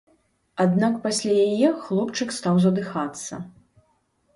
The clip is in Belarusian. Аднак пасля яе хлопчык стаў задыхацца.